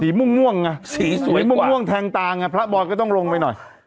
สีม่วงม่วงไงสีสวยกว่าสีม่วงม่วงทางตางไงพระบอลก็ต้องลงไปหน่อย